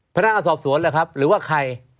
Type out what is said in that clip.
พระนางอาซอบสวนล่ะครับหรือว่าใคร